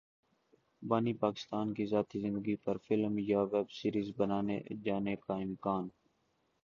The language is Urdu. بانی پاکستان کی ذاتی زندگی پر فلم یا ویب سیریز بنائے جانے کا امکان